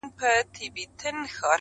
• نور لاس کي کتاب راکه قلم راکه,